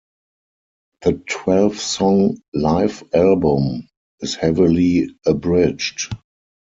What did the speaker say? The twelve song live album is heavily abridged.